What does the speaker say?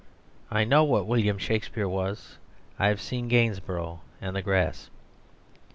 I know what William Shakespeare was, I have seen Gainsborough and the grass.